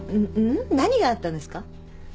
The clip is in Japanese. うん？何があったんですか？